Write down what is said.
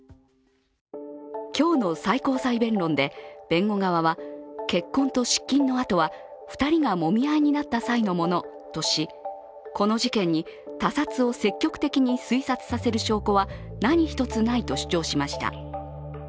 今日の最高裁弁論で弁護側は血痕と失禁の跡は２人がもみ合いになった際のものとし、この事件に他殺を積極的に推察させる証拠は何一つないと主張しました。